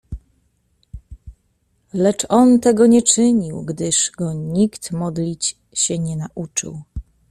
"Lecz on tego nie czynił, gdyż go nikt modlić się nie nauczył."